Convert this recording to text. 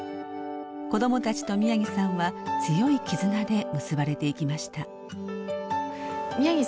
子どもたちと宮城さんは強い絆で結ばれていきました。